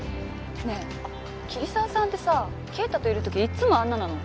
ねえ桐沢さんってさ圭太といる時いつもあんななの？